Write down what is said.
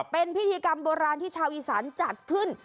เป็นพิธีกรรมโบราณที่ชาวอีสานจัดขึ้น